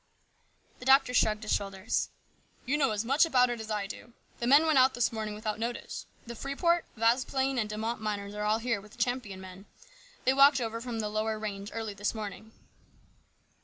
The doctor shrugged his shoulders. " You know as much about it as I do. The men went out this morning without notice. The Freeport, Vasplaine, and De Mott miners are all here with the Champion men. They walked over from the lower range early this morning."